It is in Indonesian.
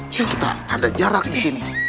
yuk kita ada jarak di sini